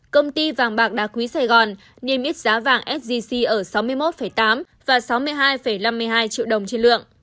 công ty vàng bạc đá quý sài gòn niêm yết giá vàng sgc ở sáu mươi một tám và sáu mươi hai năm mươi hai triệu đồng trên lượng